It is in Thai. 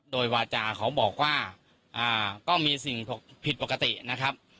โดยวาจาเขาบอกว่าก็มีสิ่งผิดปกตินะครับ